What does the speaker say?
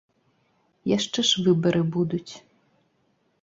Яшчэ ж выбары будуць.